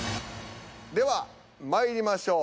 ではまいりましょう。